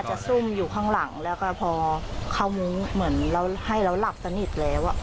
ซุ่มอยู่ข้างหลังแล้วก็พอเข้ามุ้งเหมือนเราให้เราหลับสนิทแล้ว